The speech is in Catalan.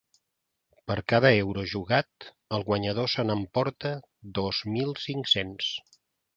Per cada euro jugat, el guanyador se n’emporta dos mil cinc-cents.